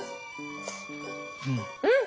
うん！